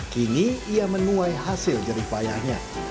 kini ia menuai hasil jeripayanya